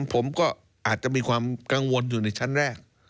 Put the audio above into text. ผมก็อาจจะมีความกังวลอยู่ในชั้นแรก